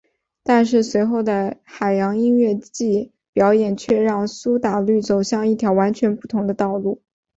但是随后的海洋音乐季表演却让苏打绿走向一条完全不同的道路。